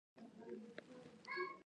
ژبې د افغانانو د تفریح یوه وسیله ده.